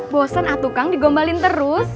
bosan atuh kang digombalin terus